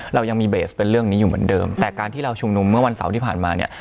เรายังมีเบสเป็นเรื่องนี้อยู่เหมือนเดิมแต่การที่เราชุมนุมเมื่อวันเสาร์ที่ผ่านมาเนี่ย